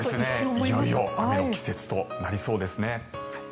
いよいよ雨の季節となりそうですね。